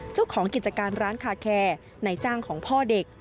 เจ้าของกิจการร้านคาแคร์ในจ้างของพ่อเด็ก